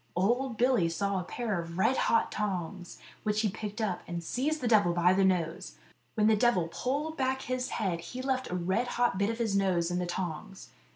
Old Billy saw a pair of red hot tongs, which he picked up, and seized the devil by the nose. When the devil pulled back his head he left a red hot bit of his nose in the tongs.